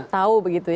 tahu begitu ya